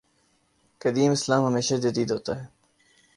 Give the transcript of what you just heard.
قدیم اسلام ہمیشہ جدید ہوتا ہے۔